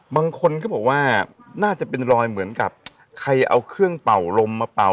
บางคนก็บอกว่าน่าจะเป็นรอยเหมือนกับใครเอาเครื่องเป่าลมมาเป่า